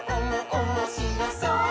おもしろそう！」